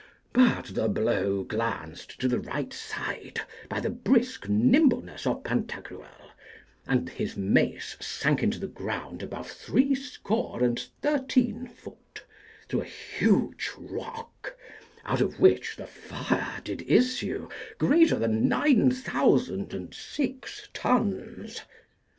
But the blow glanced to the right side by the brisk nimbleness of Pantagruel, and his mace sank into the ground above threescore and thirteen foot, through a huge rock, out of which the fire did issue greater than nine thousand and six tons.